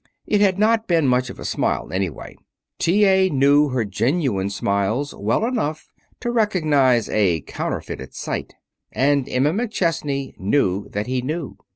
It had not been much of a smile, anyway. T. A. knew her genuine smiles well enough to recognize a counterfeit at sight. And Emma McChesney knew that he knew.